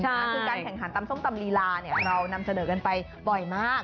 คือการแข่งขันตำส้มตำลีลาเรานำเสนอกันไปบ่อยมาก